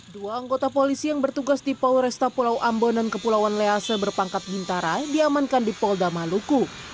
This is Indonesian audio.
dua anggota polisi yang bertugas di polresta pulau ambon dan kepulauan lease berpangkat bintara diamankan di polda maluku